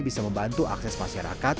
bisa membantu akses masyarakat